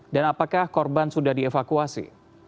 dan apakah korban sudah dievakuasi